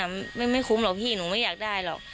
มันไม่คุ้มหรอกพี่หนูไม่อยากได้หรอก